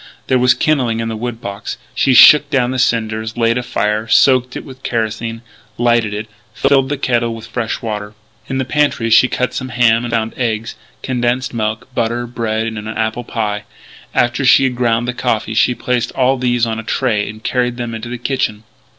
There was kindling in the wood box. She shook down the cinders, laid a fire, soaked it with kerosene, lighted it, filled the kettle with fresh water. In the pantry she cut some ham, and found eggs, condensed milk, butter, bread, and an apple pie. After she had ground the coffee she placed all these on a tray and carried them into the kitchen.